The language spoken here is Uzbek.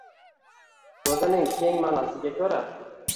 o‘zining keng ma’nosiga ko‘ra –